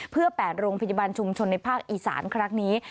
เพื่อ๘โรงพยาบาลชุมชนในภาคอีสานครั้งนี้